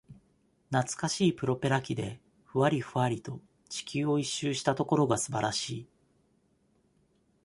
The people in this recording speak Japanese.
なつかしいプロペラ機で、ふわりふわりと、地球を一周したところがすばらしい。